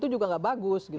itu juga nggak bagus